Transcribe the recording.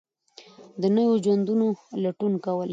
د نویو ژوندونو لټون کول